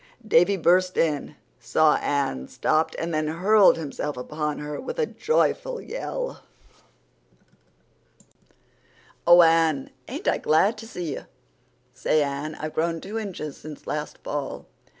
Davy burst in, saw Anne, stopped, and then hurled himself upon her with a joyful yell. "Oh, Anne, ain't I glad to see you! Say, Anne, I've grown two inches since last fall. Mrs.